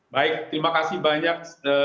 baik terima kasih banyak